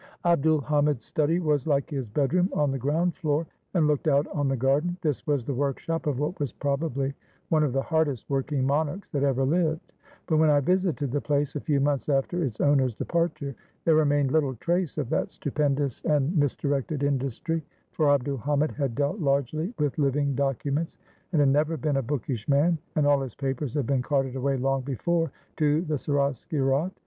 Abd ul Hamid's study was, like his bedroom, on the ground floor and looked out on the garden. This was the workshop of what was probably one of the hardest working monarchs that ever lived; but when I visited the place, a few months after its owner's departure, there remained little trace of that stupendous and mis directed industry, for Abd ul Hamid had dealt largely with living documents and had never been a bookish man, and all his papers had been carted away long be fore, to the Seraskierat.